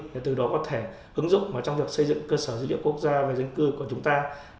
để từ đó có thể ứng dụng trong việc xây dựng cơ sở dữ liệu quốc gia về dân cư của chúng ta